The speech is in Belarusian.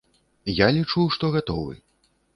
Я лічу, што гатовы.